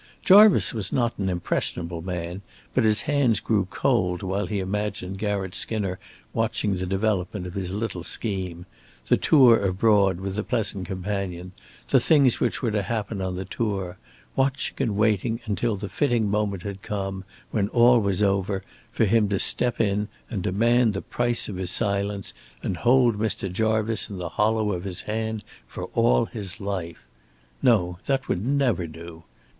Jarvice was not an impressionable man, but his hands grew cold while he imagined Garratt Skinner watching the development of his little scheme the tour abroad with the pleasant companion, the things which were to happen on the tour watching and waiting until the fitting moment had come, when all was over, for him to step in and demand the price of his silence and hold Mr. Jarvice in the hollow of his hand for all his life. No, that would never do.